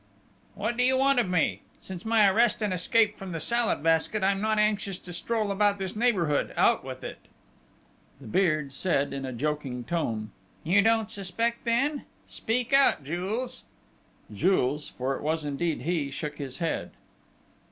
"What do you want of me? Since my arrest and escape from the Salad Basket, I'm not anxious to stroll about this neighbourhood out with it!" The Beard said in a joking tone: "You don't suspect, then? Speak out, Jules!..." Jules for it was indeed he shook his head.